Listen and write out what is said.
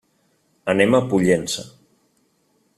Anem a Pollença.